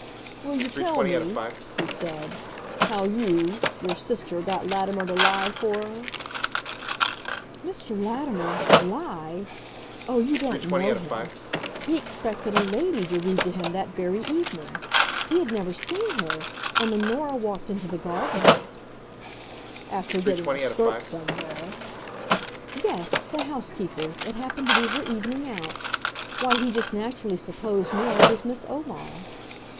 "Will you tell me," he said, "how you your sister got Latimer to lie for her?" "Mr. Latimer lie! Oh, you don't know him. He expected a lady to read to him that very evening. He had never seen her, and when Nora walked into the garden " "After getting a skirt somewhere." "Yes the housekeeper's, it happened to be her evening out why, he just naturally supposed Nora was Miss Omar."